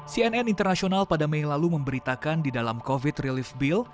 cnn internasional pada mei lalu memberitakan di dalam covid relief bill